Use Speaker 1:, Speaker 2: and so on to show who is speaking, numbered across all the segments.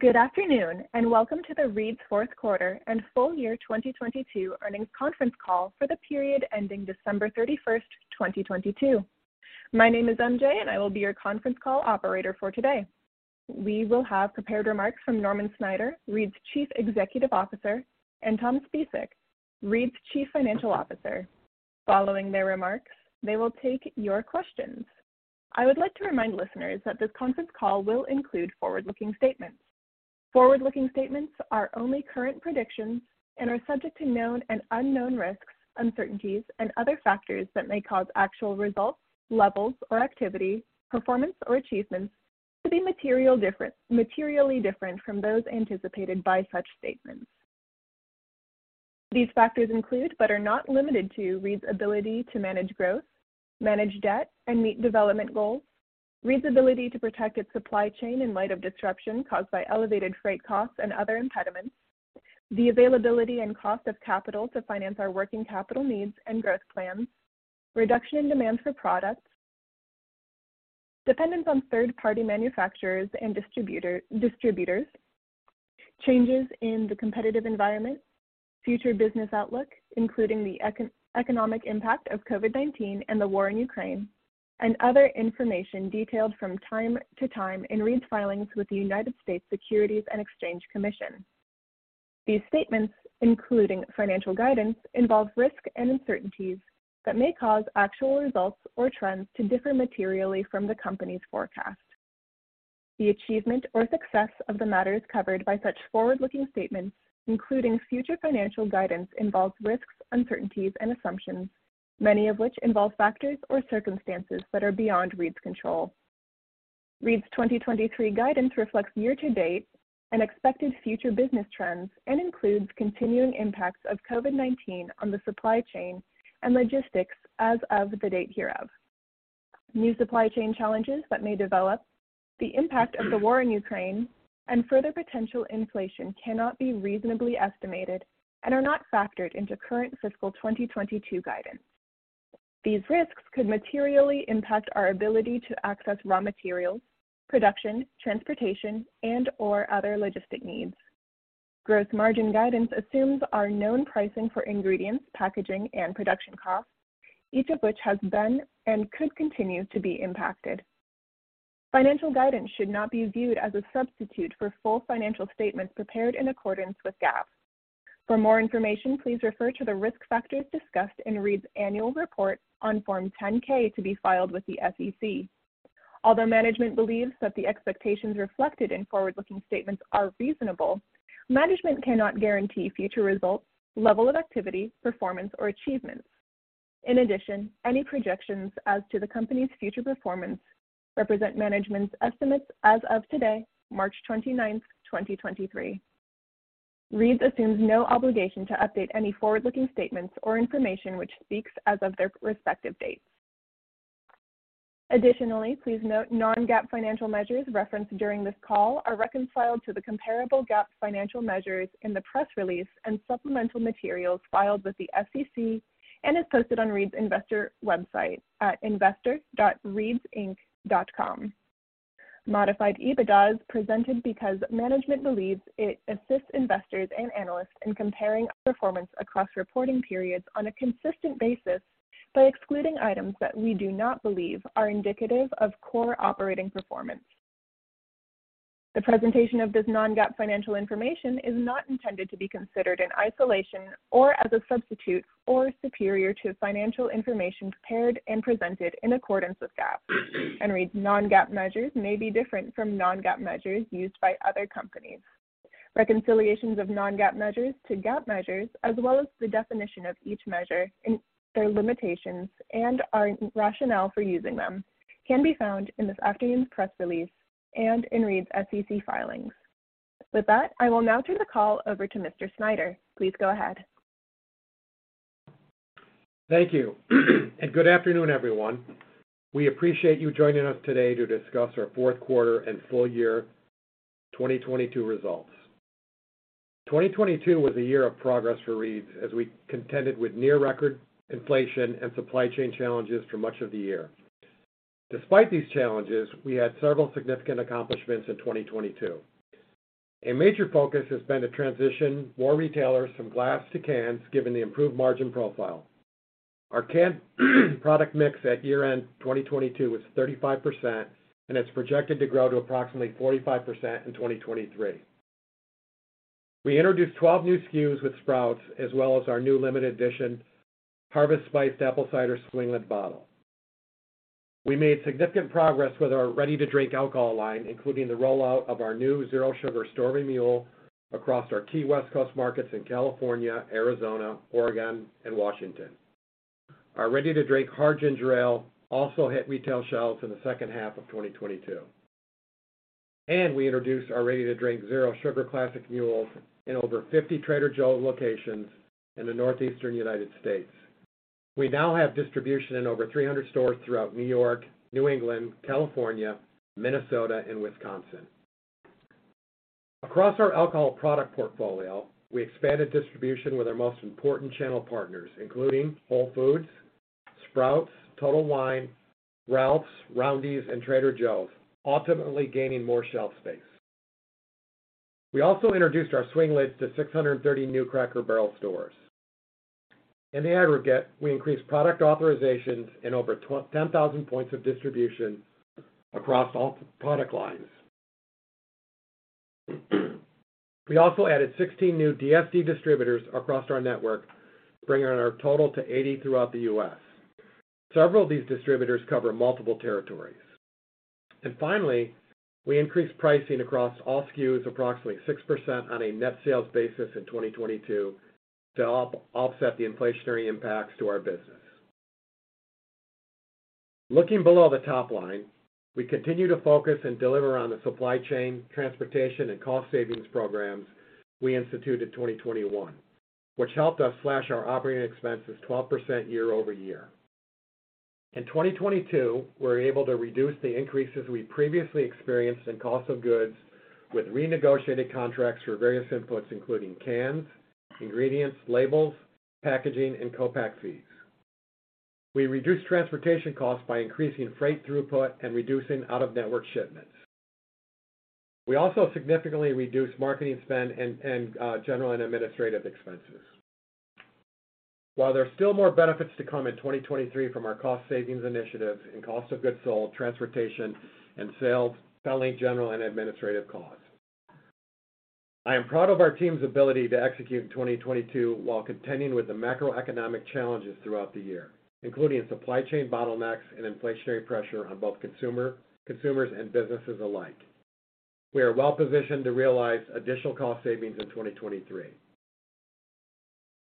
Speaker 1: Good afternoon. Welcome to the Reed's fourth quarter and full year 2022 earnings conference call for the period ending December 31st, 2022. My name is MJ. I will be your conference call operator for today. We will have prepared remarks from Norman Snyder, Reed's Chief Executive Officer, and Tom Spisak, Reed's Chief Financial Officer. Following their remarks, they will take your questions. I would like to remind listeners that this conference call will include forward-looking statements. Forward-looking statements are only current predictions and are subject to known and unknown risks, uncertainties, and other factors that may cause actual results, levels or activity, performance, or achievements to be materially different from those anticipated by such statements. These factors include, but are not limited to, Reed's ability to manage growth, manage debt, and meet development goals, Reed's ability to protect its supply chain in light of disruption caused by elevated freight costs and other impediments, the availability and cost of capital to finance our working capital needs and growth plans, reduction in demand for products, dependence on third-party manufacturers and distributors, changes in the competitive environment, future business outlook, including the economic impact of COVID-19 and the war in Ukraine, and other information detailed from time to time in Reed's filings with the United States Securities and Exchange Commission. These statements, including financial guidance, involve risk and uncertainties that may cause actual results or trends to differ materially from the company's forecast. The achievement or success of the matters covered by such forward-looking statements, including future financial guidance, involves risks, uncertainties, and assumptions, many of which involve factors or circumstances that are beyond Reed's control. Reed's 2023 guidance reflects year-to-date and expected future business trends and includes continuing impacts of COVID-19 on the supply chain and logistics as of the date hereof. New supply chain challenges that may develop, the impact of the war in Ukraine, and further potential inflation cannot be reasonably estimated and are not factored into current fiscal 2022 guidance. These risks could materially impact our ability to access raw materials, production, transportation, and/or other logistic needs. Gross margin guidance assumes our known pricing for ingredients, packaging, and production costs, each of which has been and could continue to be impacted. Financial guidance should not be viewed as a substitute for full financial statements prepared in accordance with GAAP. For more information, please refer to the risk factors discussed in Reed's annual report on Form 10-K to be filed with the SEC. Although management believes that the expectations reflected in forward-looking statements are reasonable, management cannot guarantee future results, level of activity, performance, or achievements. In addition, any projections as to the company's future performance represent management's estimates as of today, March 29th, 2023. Reed's assumes no obligation to update any forward-looking statements or information which speaks as of their respective dates. Additionally, please note non-GAAP financial measures referenced during this call are reconciled to the comparable GAAP financial measures in the press release and supplemental materials filed with the SEC and is posted on Reed's investor website at investors.reedsinc.com. Modified EBITDAs presented because management believes it assists investors and analysts in comparing our performance across reporting periods on a consistent basis by excluding items that we do not believe are indicative of core operating performance. The presentation of this non-GAAP financial information is not intended to be considered in isolation or as a substitute or superior to financial information prepared and presented in accordance with GAAP. Reed's non-GAAP measures may be different from non-GAAP measures used by other companies. Reconciliations of non-GAAP measures to GAAP measures as well as the definition of each measure and their limitations and our rationale for using them can be found in this afternoon's press release and in Reed's SEC filings. With that, I will now turn the call over to Mr. Snyder. Please go ahead.
Speaker 2: Thank you. Good afternoon, everyone. We appreciate you joining us today to discuss our fourth quarter and full year 2022 results. 2022 was a year of progress for Reed's as we contended with near record inflation and supply chain challenges for much of the year. Despite these challenges, we had several significant accomplishments in 2022. A major focus has been to transition more retailers from glass to cans given the improved margin profile. Our can product mix at year-end 2022 was 35% and it's projected to grow to approximately 45% in 2023. We introduced 12 new SKUs with Sprouts as well as our new limited edition Harvest Spiced Apple Cider swing-lid bottle. We made significant progress with our ready-to-drink alcohol line, including the rollout of our new Zero Sugar Stormy Mule across our key West Coast markets in California, Arizona, Oregon, and Washington. Our ready-to-drink Hard Ginger Ale also hit retail shelves in the second half of 2022. We introduced our ready-to-drink Zero Sugar Classic Mules in over 50 Trader Joe's locations in the Northeastern United States. We now have distribution in over 300 stores throughout New York, New England, California, Minnesota, and Wisconsin. Across our alcohol product portfolio, we expanded distribution with our most important channel partners, including Whole Foods-Sprouts, Total Wine, Ralphs, Roundy's, and Trader Joe's, ultimately gaining more shelf space. We also introduced our swing lids to 630 new Cracker Barrel stores. In the aggregate, we increased product authorizations in over 10,000 points of distribution across all product lines. We also added 16 new DSD distributors across our network, bringing our total to 80 throughout the U.S. Several of these distributors cover multiple territories. Finally, we increased pricing across all SKUs approximately 6% on a net sales basis in 2022 to offset the inflationary impacts to our business. Looking below the top line, we continue to focus and deliver on the supply chain, transportation, and cost savings programs we instituted in 2021, which helped us slash our operating expenses 12% year-over-year. In 2022, we were able to reduce the increases we previously experienced in cost of goods with renegotiated contracts for various inputs, including cans, ingredients, labels, packaging, and co-pack fees. We reduced transportation costs by increasing freight throughput and reducing out-of-network shipments. We also significantly reduced marketing spend and general and administrative expenses. While there's still more benefits to come in 2023 from our cost savings initiatives in cost of goods sold, transportation, and sales, selling, general, and administrative costs. I am proud of our team's ability to execute in 2022 while contending with the macroeconomic challenges throughout the year, including supply chain bottlenecks and inflationary pressure on both consumers and businesses alike. We are well-positioned to realize additional cost savings in 2023.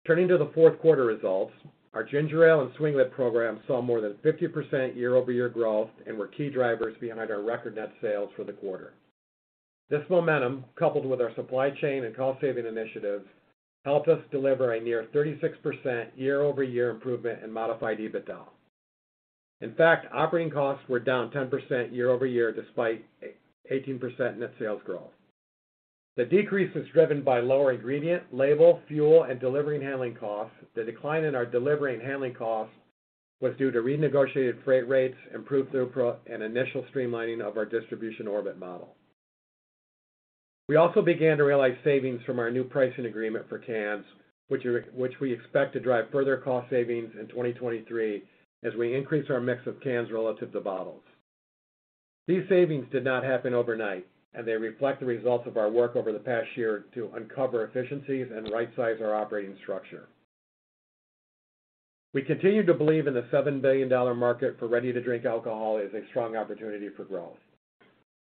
Speaker 2: Turning to the fourth quarter results, our Ginger Ale and swing-lid program saw more than 50% year-over-year growth and were key drivers behind our record net sales for the quarter. This momentum, coupled with our supply chain and cost-saving initiatives, helped us deliver a near 36% year-over-year improvement in Modified EBITDA. In fact, operating costs were down 10% year-over-year, despite 18% net sales growth. The decrease is driven by lower ingredient, label, fuel, and delivery and handling costs. The decline in our delivery and handling costs was due to renegotiated freight rates, improved throughput, and initial streamlining of our distribution orbit model. We also began to realize savings from our new pricing agreement for cans, which we expect to drive further cost savings in 2023 as we increase our mix of cans relative to bottles. These savings did not happen overnight. They reflect the results of our work over the past year to uncover efficiencies and right-size our operating structure. We continue to believe in the $7 billion market for ready-to-drink alcohol as a strong opportunity for growth.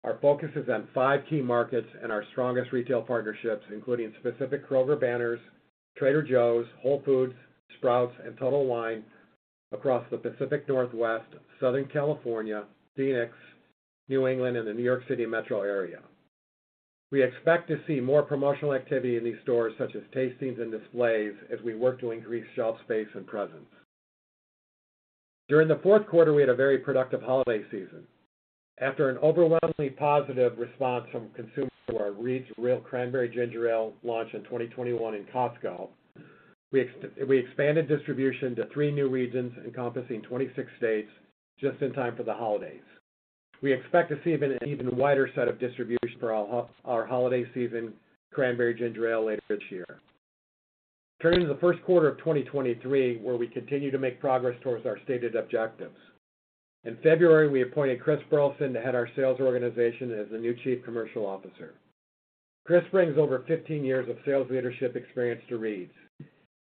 Speaker 2: Our focus is on five key markets and our strongest retail partnerships, including specific Kroger banners, Trader Joe's, Whole Foods, Sprouts, and Total Wine across the Pacific Northwest, Southern California, Phoenix, New England, and the New York City metro area. We expect to see more promotional activity in these stores, such as tastings and displays, as we work to increase shelf space and presence. During the fourth quarter, we had a very productive holiday season. After an overwhelmingly positive response from consumers to our Reed's REAL Cranberry Ginger Ale launch in 2021 in Costco, we expanded distribution to three new regions encompassing 26 states just in time for the holidays. We expect to see an even wider set of distribution for our holiday season cranberry ginger ale later this year. Turning to the first quarter of 2023, where we continue to make progress towards our stated objectives. In February, we appointed Chris Burleson to head our sales organization as the new Chief Commercial Officer. Chris brings over 15 years of sales leadership experience to Reed's.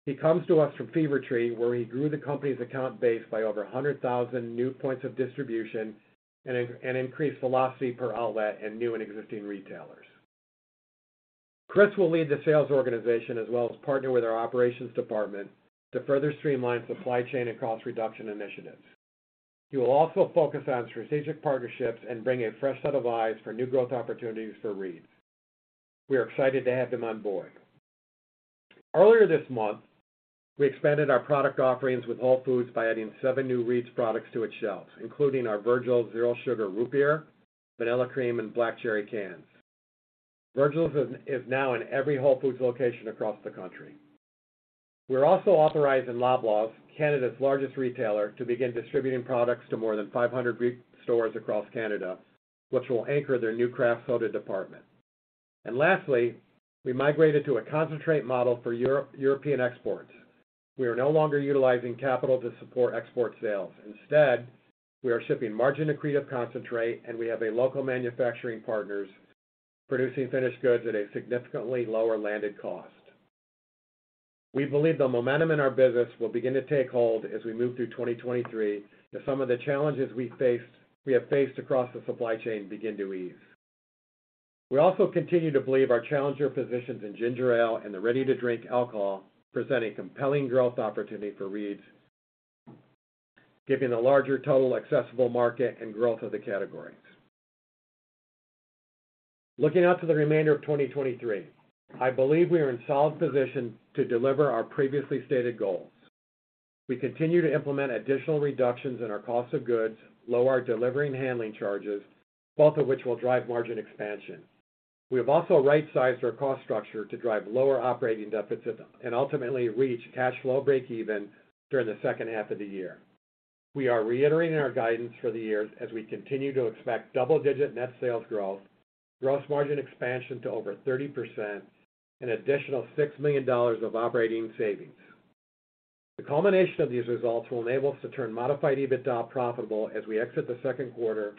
Speaker 2: He comes to us from Fever-Tree, where he grew the company's account base by over 100,000 new points of distribution and increased velocity per outlet in new and existing retailers. Chris will lead the sales organization as well as partner with our operations department to further streamline supply chain and cost reduction initiatives. He will also focus on strategic partnerships and bring a fresh set of eyes for new growth opportunities for Reed's. We are excited to have him on board. Earlier this month, we expanded our product offerings with Whole Foods by adding seven new Reed's products to its shelves, including our Virgil's Zero Sugar Root Beer, vanilla cream, and black cherry cans. Virgil's is now in every Whole Foods location across the country. We're also authorized in Loblaws, Canada's largest retailer, to begin distributing products to more than 500 retail stores across Canada, which will anchor their new craft soda department. Lastly, we migrated to a concentrate model for Euro-European exports. We are no longer utilizing capital to support export sales. Instead, we are shipping margin accretive concentrate, and we have a local manufacturing partners producing finished goods at a significantly lower landed cost. We believe the momentum in our business will begin to take hold as we move through 2023 as some of the challenges we have faced across the supply chain begin to ease. We also continue to believe our challenger positions in ginger ale and the ready-to-drink alcohol present a compelling growth opportunity for Reed's, given the larger total accessible market and growth of the categories. Looking out to the remainder of 2023, I believe we are in solid position to deliver our previously stated goals. We continue to implement additional reductions in our cost of goods, lower our delivery and handling charges, both of which will drive margin expansion. We have also right-sized our cost structure to drive lower operating deficits and ultimately reach cash flow breakeven during the second half of the year. We are reiterating our guidance for the year as we continue to expect double-digit net sales growth, gross margin expansion to over 30%, an additional $6 million of operating savings. The culmination of these results will enable us to turn Modified EBITDA profitable as we exit the second quarter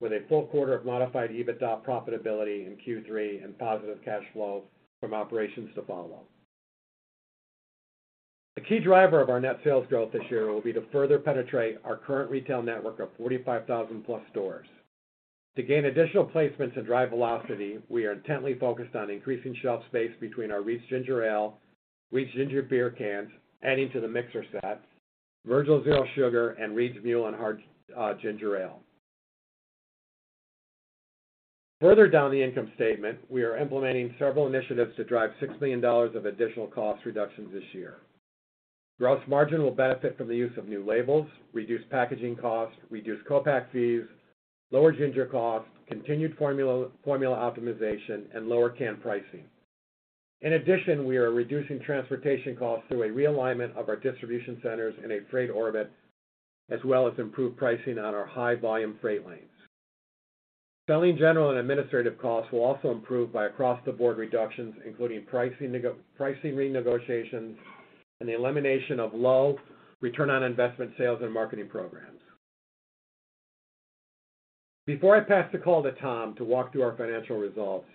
Speaker 2: with a full quarter of Modified EBITDA profitability in Q3 and positive cash flow from operations to follow. The key driver of our net sales growth this year will be to further penetrate our current retail network of 45,000+ stores. To gain additional placements and drive velocity, we are intently focused on increasing shelf space between our Reed's Ginger Ale, Reed's Ginger Beer cans, adding to the mixer sets, Virgil's Zero Sugar, and Reed's Mule and Hard Ginger Ale. Further down the income statement, we are implementing several initiatives to drive $6 million of additional cost reductions this year. Gross margin will benefit from the use of new labels, reduced packaging costs, reduced co-pack fees, lower ginger costs, continued formula optimization, and lower can pricing. In addition, we are reducing transportation costs through a realignment of our distribution centers in a freight orbit, as well as improved pricing on our high volume freight lanes. Selling general and administrative costs will also improve by across-the-board reductions, including pricing renegotiations and the elimination of low return on investment sales and marketing programs. Before I pass the call to Tom to walk through our financial results,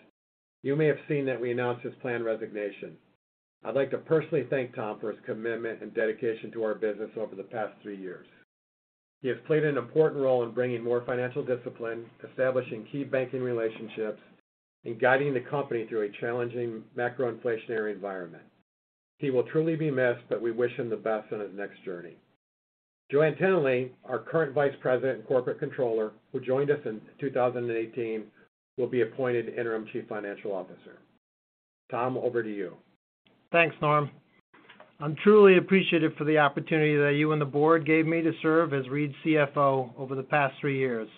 Speaker 2: you may have seen that we announced his planned resignation. I'd like to personally thank Tom for his commitment and dedication to our business over the past 3 years. He has played an important role in bringing more financial discipline, establishing key banking relationships, and guiding the company through a challenging macro inflationary environment. He will truly be missed, but we wish him the best on his next journey. Joann Tinnelly, our current Vice President and Corporate Controller, who joined us in 2018, will be appointed Interim Chief Financial Officer. Tom, over to you.
Speaker 3: Thanks, Norm. I'm truly appreciative for the opportunity that you and the board gave me to serve as Reed's CFO over the past 3 years.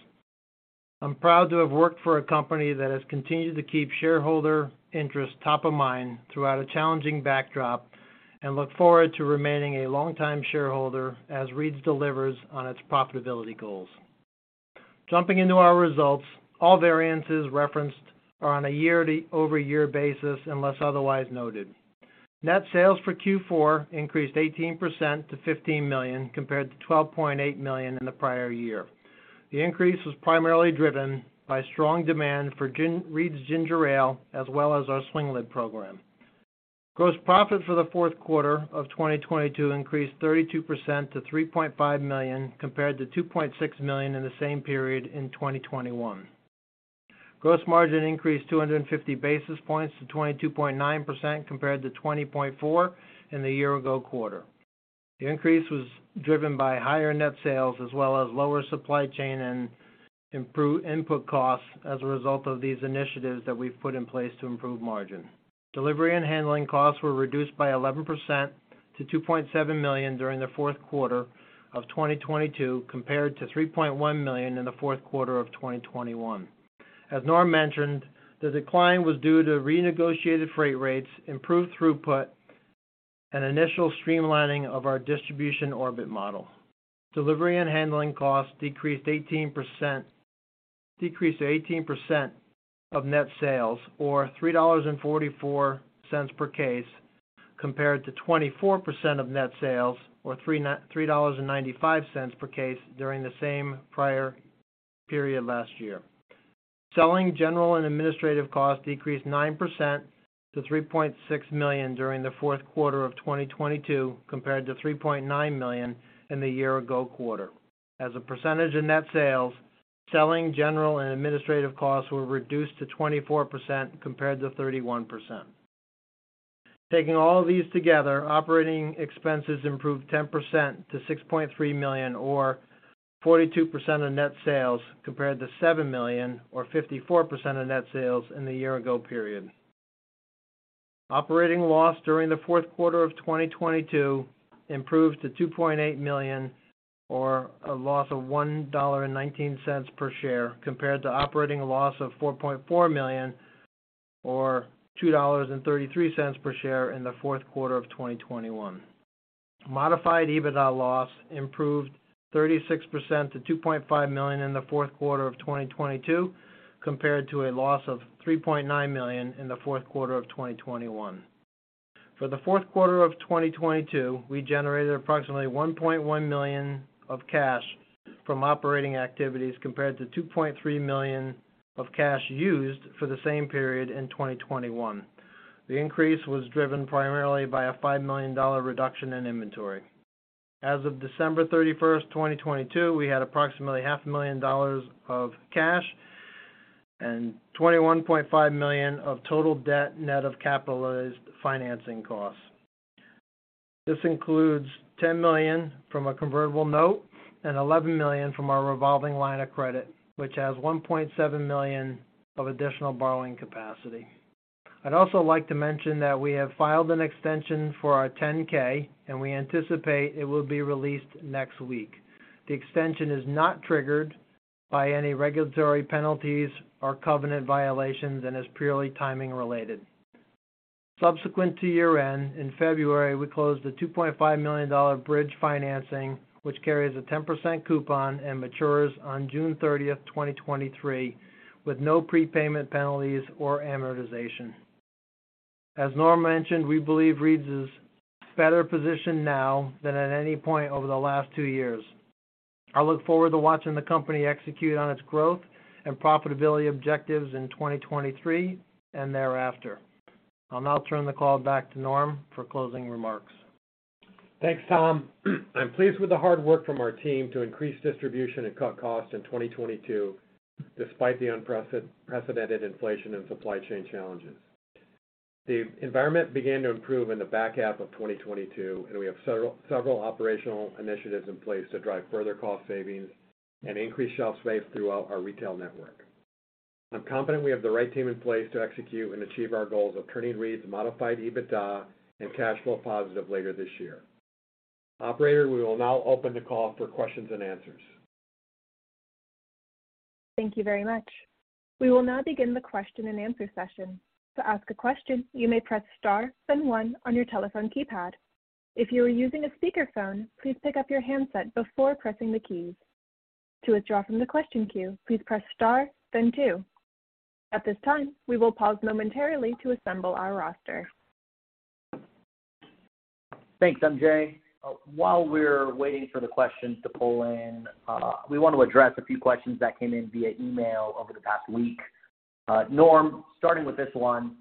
Speaker 3: I'm proud to have worked for a company that has continued to keep shareholder interest top of mind throughout a challenging backdrop and look forward to remaining a long-time shareholder as Reed's delivers on its profitability goals. Jumping into our results, all variances referenced are on a year-over-year basis, unless otherwise noted. Net sales for Q4 increased 18% to $15 million, compared to $12.8 million in the prior year. The increase was primarily driven by strong demand for Reed's Ginger Ale, as well as our swing-lid program. Gross profit for the fourth quarter of 2022 increased 32% to $3.5 million, compared to $2.6 million in the same period in 2021. Gross margin increased 250 basis points to 22.9%, compared to 20.4% in the year ago quarter. The increase was driven by higher net sales as well as lower supply chain and improve input costs as a result of these initiatives that we've put in place to improve margin. Delivery and handling costs were reduced by 11% to $2.7 million during the fourth quarter of 2022, compared to $3.1 million in the fourth quarter of 2021. As Norm mentioned, the decline was due to renegotiated freight rates, improved throughput, and initial streamlining of our distribution orbit model. Delivery and handling costs decreased 18%, decreased to 18% of net sales or $3.44 per case, compared to 24% of net sales or $3.95 per case during the same prior period last year. Selling general and administrative costs decreased 9% to $3.6 million during the fourth quarter of 2022, compared to $3.9 million in the year-ago quarter. As a percentage of net sales, selling general and administrative costs were reduced to 24% compared to 31%. Taking all of these together, operating expenses improved 10% to $6.3 million or 42% of net sales, compared to $7 million or 54% of net sales in the year-ago period. Operating loss during the fourth quarter of 2022 improved to $2.8 million or a loss of $1.19 per share, compared to operating loss of $4.4 million or $2.33 per share in the fourth quarter of 2021. Modified EBITDA loss improved 36% to $2.5 million in the fourth quarter of 2022, compared to a loss of $3.9 million in the fourth quarter of 2021. For the fourth quarter of 2022, we generated approximately $1.1 million of cash from operating activities compared to $2.3 million of cash used for the same period in 2021. The increase was driven primarily by a $5 million reduction in inventory. As of December 31st, 2022, we had approximately half a million dollars of cash and $21.5 million of total debt net of capitalized financing costs. This includes $10 million from a convertible note and $11 million from our revolving line of credit, which has $1.7 million of additional borrowing capacity. I'd also like to mention that we have filed an extension for our 10-K, and we anticipate it will be released next week. The extension is not triggered by any regulatory penalties or covenant violations and is purely timing related. Subsequent to year-end, in February, we closed a $2.5 million bridge financing, which carries a 10% coupon and matures on June 30, 2023, with no prepayment penalties or amortization. As Norm mentioned, we believe Reed's is better positioned now than at any point over the last two years. I look forward to watching the company execute on its growth and profitability objectives in 2023 and thereafter. I'll now turn the call back to Norm for closing remarks.
Speaker 2: Thanks, Tom. I'm pleased with the hard work from our team to increase distribution and cut costs in 2022 despite the unprecedented inflation and supply chain challenges. The environment began to improve in the back half of 2022. We have several operational initiatives in place to drive further cost savings and increase shelf space throughout our retail network. I'm confident we have the right team in place to execute and achieve our goals of turning Reed's Modified EBITDA and cash flow positive later this year. Operator, we will now open the call for questions and answers.
Speaker 1: Thank you very much. We will now begin the question and answer session. To ask a question, you may press star then one on your telephone keypad. If you are using a speakerphone, please pick up your handset before pressing the keys. To withdraw from the question queue, please press star then two. At this time, we will pause momentarily to assemble our roster.
Speaker 4: Thanks, MJ. While we're waiting for the questions to pull in, we want to address a few questions that came in via email over the past week. Norm, starting with this one,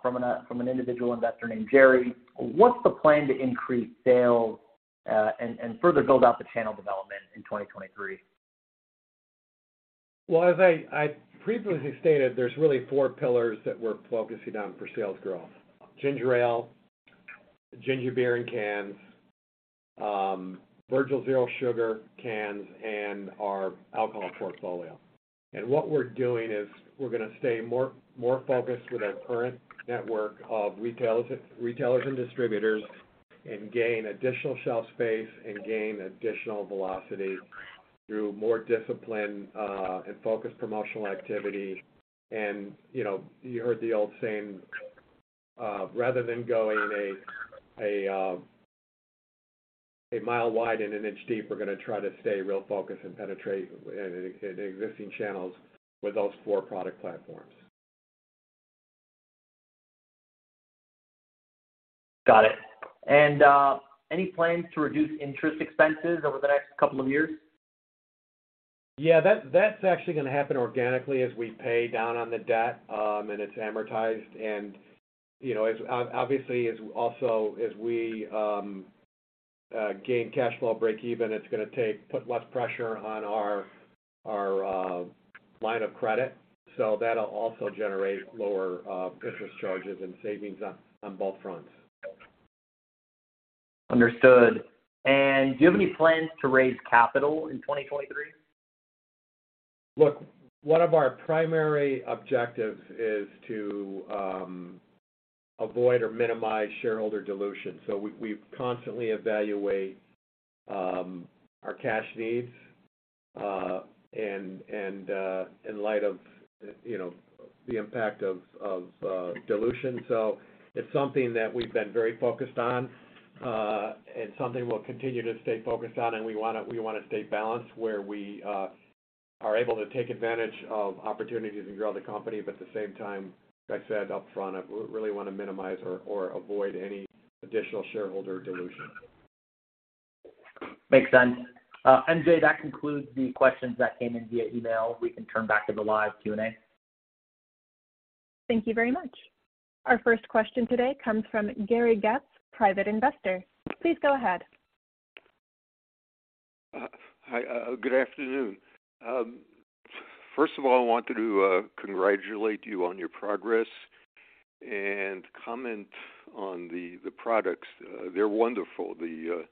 Speaker 4: from an individual investor named Jerry. What's the plan to increase sales, and further build out the channel development in 2023?
Speaker 2: Well, as I previously stated, there's really four pillars that we're focusing on for sales growth. Ginger ale, ginger beer in cans, Virgil's Zero Sugar cans, and our alcohol portfolio. What we're doing is we're gonna stay more focused with our current network of retailers and distributors and gain additional shelf space and gain additional velocity through more discipline and focused promotional activity. You know, you heard the old saying, rather than going a mile wide and an inch deep, we're gonna try to stay real focused and penetrate existing channels with those 4 product platforms.
Speaker 4: Got it. Any plans to reduce interest expenses over the next couple of years?
Speaker 2: Yeah, that's actually gonna happen organically as we pay down on the debt and it's amortized. You know, obviously, as we gain cash flow breakeven, it's gonna put less pressure on our line of credit. That'll also generate lower interest charges and savings on both fronts.
Speaker 4: Understood. Do you have any plans to raise capital in 2023?
Speaker 2: One of our primary objectives is to avoid or minimize shareholder dilution. We constantly evaluate our cash needs and in light of, you know, the impact of dilution. It's something that we've been very focused on and something we'll continue to stay focused on, and we wanna stay balanced where we are able to take advantage of opportunities and grow the company. At the same time, like I said up front, we really wanna minimize or avoid any additional shareholder dilution.
Speaker 4: Makes sense. MJ, that concludes the questions that came in via email. We can turn back to the live Q&A.
Speaker 1: Thank you very much. Our first question today comes from Gary Getz, private investor. Please go ahead.
Speaker 5: Hi. Good afternoon. First of all, I wanted to congratulate you on your progress and comment on the products. They're wonderful. The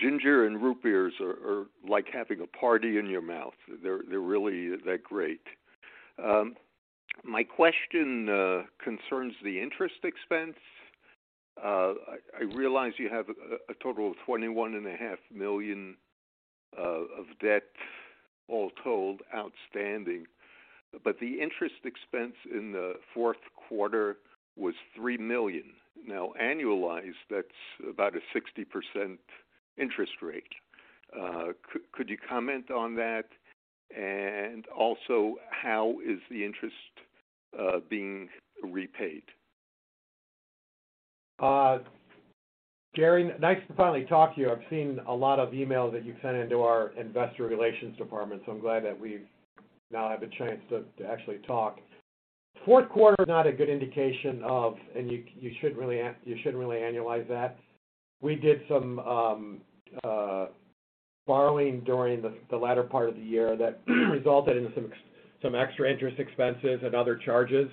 Speaker 5: ginger and root beers are like having a party in your mouth. They're really that great. My question concerns the interest expense. I realize you have a total of $twenty-one and a half million of debt, all told, outstanding, but the interest expense in the fourth quarter was $3 million. Now, annualized, that's about a 60% interest rate. Could you comment on that? Also, how is the interest being repaid?
Speaker 2: Gary, nice to finally talk to you. I've seen a lot of emails that you've sent into our investor relations department. I'm glad that we now have a chance to actually talk. Fourth quarter is not a good indication of, you shouldn't really annualize that. We did some borrowing during the latter part of the year that resulted in some extra interest expenses and other charges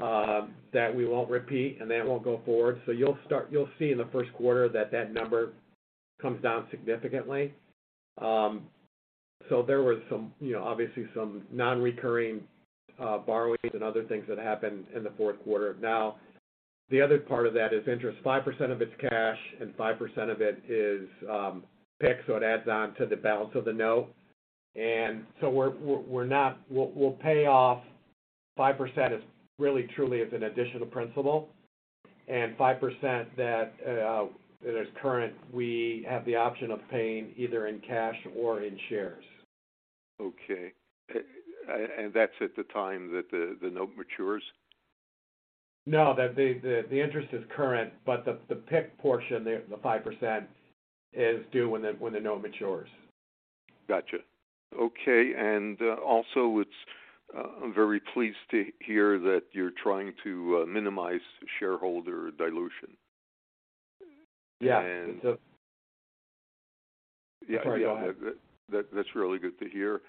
Speaker 2: that we won't repeat and that won't go forward. You'll see in the first quarter that number comes down significantly. There was some, you know, obviously some non-recurring borrowings and other things that happened in the fourth quarter. The other part of that is interest. 5% of it's cash and 5% of it is PIK, so it adds on to the balance of the note. We'll pay off 5% is really truly is an additional principal and 5% that is current, we have the option of paying either in cash or in shares.
Speaker 5: Okay. That's at the time that the note matures?
Speaker 2: No. The interest is current, but the PIK portion, the 5% is due when the note matures.
Speaker 5: Gotcha. Okay. Also it's, I'm very pleased to hear that you're trying to, minimize shareholder dilution.
Speaker 2: Yeah.
Speaker 5: Yeah. No, that's really good to hear.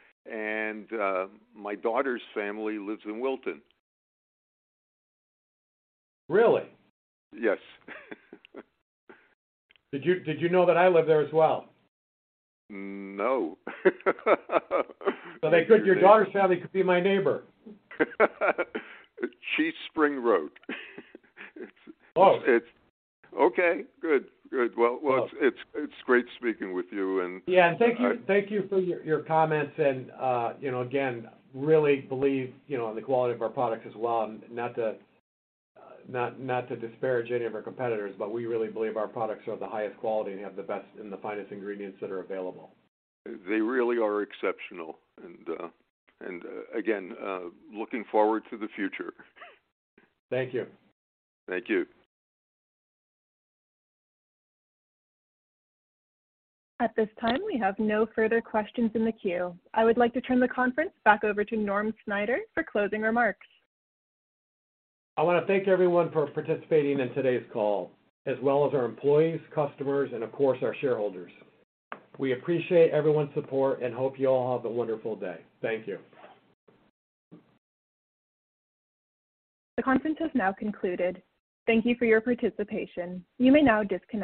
Speaker 5: My daughter's family lives in Wilton.
Speaker 2: Really?
Speaker 5: Yes.
Speaker 2: Did you know that I live there as well?
Speaker 5: No.
Speaker 2: Your daughter's family could be my neighbor.
Speaker 5: She's Spring Road.
Speaker 2: Close.
Speaker 5: Okay, good. Well. It's great speaking with you.
Speaker 2: Yeah. Thank you for your comments and, you know, again, really believe, you know, in the quality of our products as well. Not to disparage any of our competitors, but we really believe our products are the highest quality and have the best and the finest ingredients that are available.
Speaker 5: They really are exceptional. Again, looking forward to the future.
Speaker 2: Thank you.
Speaker 5: Thank you.
Speaker 1: At this time, we have no further questions in the queue. I would like to turn the conference back over to Norm Snyder for closing remarks.
Speaker 2: I wanna thank everyone for participating in today's call, as well as our employees, customers, and of course, our shareholders. We appreciate everyone's support and hope you all have a wonderful day. Thank you.
Speaker 1: The conference has now concluded. Thank you for your participation. You may now disconnect.